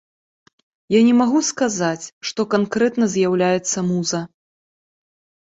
Я не магу сказаць, што канкрэтна з'яўляецца муза.